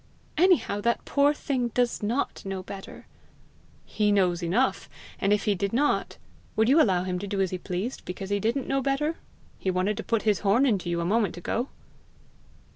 "Anyhow that poor thing does not know better." "He knows enough; and if he did not, would you allow him to do as he pleased because he didn't know better? He wanted to put his horn into you a moment ago!"